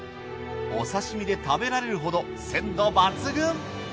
お刺身で食べられるほど鮮度抜群。